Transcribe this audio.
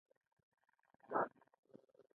خبرې که سپېڅلې وي، زړه ته لوري